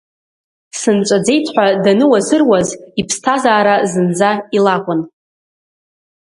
Сынҵәаӡеит ҳәа даныуазыруаз, иԥсҭазаара зынӡа илакәын…